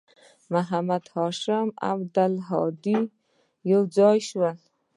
محمد هاشم او عبدالهادي به یوځای راشي